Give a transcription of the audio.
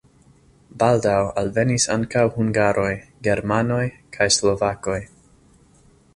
Baldaŭ alvenis ankaŭ hungaroj, germanoj kaj slovakoj.